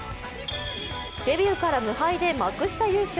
デビューから無敗で幕下優勝。